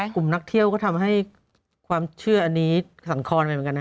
กลุ่มนักเที่ยวก็ทำให้ความเชื่ออันนี้สันคอนไปเหมือนกันนะ